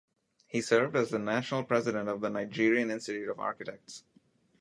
He served as the National President of the Nigerian Institute of Architects.